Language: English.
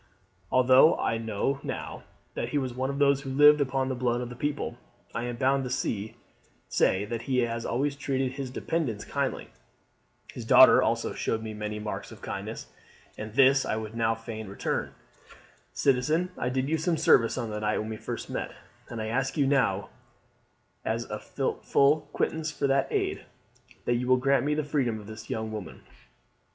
Although I know now that he was one of those who lived upon the blood of the people, I am bound to say that he always treated his dependants kindly. His daughter also showed me many marks of kindness, and this I would now fain return. Citizen, I did you some service on the night when we first met; and I ask you now, as a full quittance for that aid, that you will grant me the freedom of this young woman.